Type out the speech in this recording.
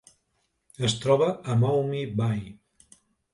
Es troba a Maumee Bay.